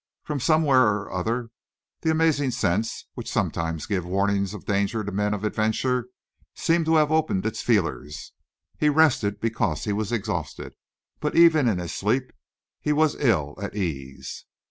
From somewhere or other, the amazing sense which sometimes gives warning of danger to men of adventure, seemed to have opened its feelers. He rested because he was exhausted, but even in his sleep he was ill at ease.